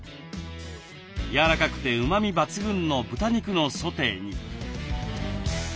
やわらかくてうまみ抜群の豚肉のソテーに。